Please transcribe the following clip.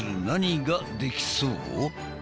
何ができそう？